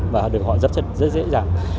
và được họ giáp chất rất dễ dàng